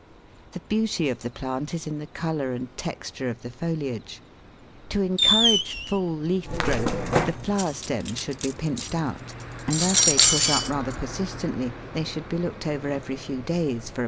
The beauty of the plant is in the colour and texture of the foliage. To encourage full leaf growth the flower stems should be pinched out, and as they push up rather persistently, they should be looked over every few days for about a fortnight.